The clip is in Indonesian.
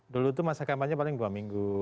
dulu itu masa kampanye paling dua minggu